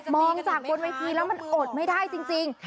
จากบนเวทีแล้วมันอดไม่ได้จริง